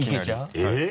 えっ？